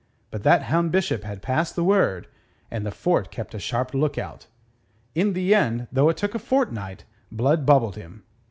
But that hound Bishop had passed the word, and the fort kept a sharp lookout. In the end, though it took a fortnight, Blood bubbled him.